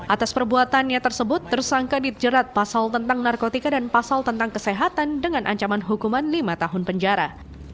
atas perbuatannya tersebut tersangka dijerat pasal tentang narkotika dan pasal tentang kesehatan dengan ancaman hukuman lima tahun penjara